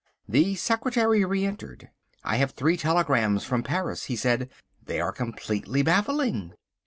The secretary re entered. "I have three telegrams from Paris," he said, "they are completely baffling."